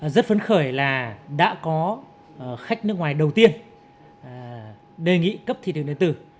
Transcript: rất phấn khởi là đã có khách nước ngoài đầu tiên đề nghị cấp thị trường điện tử